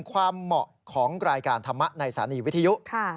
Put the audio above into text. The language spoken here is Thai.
๑ความเหมาะของรายการธรรมะในสาริวิทยุ